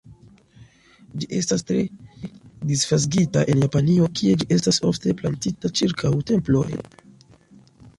Ĝi estas tre disvastigita en Japanio, kie ĝi estas ofte plantita ĉirkaŭ temploj.